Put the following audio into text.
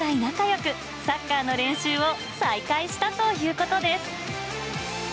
よく、サッカーの練習を再開したということです。